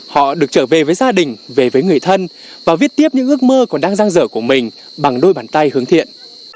họ được trở về với gia đình về với người thân và viết tiếp những ước mơ còn đang giang dở của mình bằng đôi bàn tay hướng thiện